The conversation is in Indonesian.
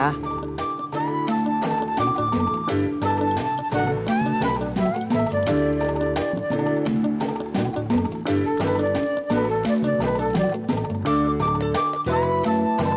aku pergi kuliah dulu ya